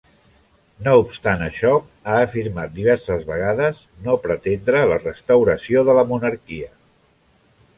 No obstant això, ha afirmat diverses vegades no pretendre la restauració de la monarquia.